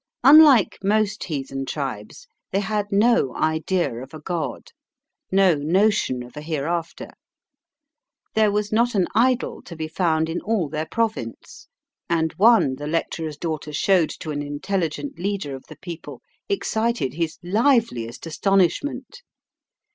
Unlike most heathen tribes, they had no idea of a God, no notion of a hereafter. There was not an idol to be found in all their province, and one the lecturer's daughter showed to an intelligent leader of the people excited his liveliest astonishment.